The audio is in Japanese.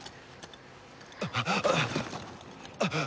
あっ！